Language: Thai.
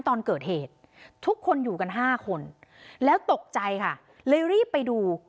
ตอนเกิดเหตุทุกคนอยู่กัน๕คนแล้วตกใจค่ะเลยรีบไปดู